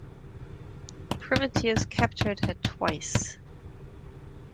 Privateers captured her twice.